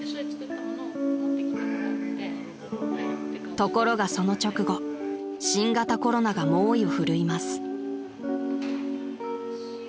［ところがその直後新型コロナが猛威を振るいます］